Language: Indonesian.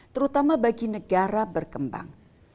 terutama bagi negara berkembang